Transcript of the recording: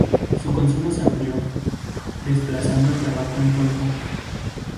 Su consumo se amplió, desplazando al tabaco en polvo.